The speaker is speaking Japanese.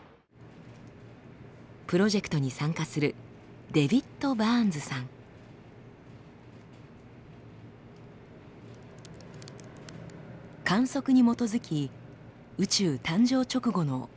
プロジェクトに参加する観測に基づき宇宙誕生直後のガスの分布などを入力。